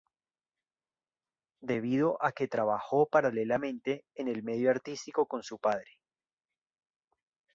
Debido a que trabajó paralelamente en el medio artístico con su padre.